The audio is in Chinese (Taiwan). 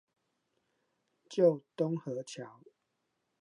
舊東河橋